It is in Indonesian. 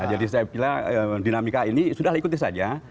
jadi saya pilih dinamika ini sudah ikuti saja